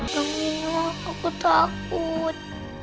jamin aku takut